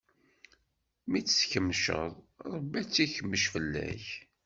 Mi tt-tkemceḍ, Ṛebbi ad tt-ikmec fell-ak.